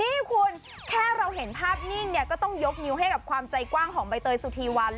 นี่คุณแค่เราเห็นภาพนิ่งเนี่ยก็ต้องยกนิ้วให้กับความใจกว้างของใบเตยสุธีวัน